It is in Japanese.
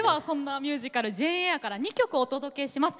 ミュージカル「ジェーン・エア」から２曲、お届けします。